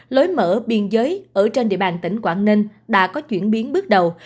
lối mở biên giới ở trên địa bàn tỉnh quảng ninh đã có chuyển biến bước đầu